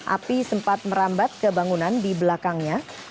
api sempat merambat ke bangunan di belakangnya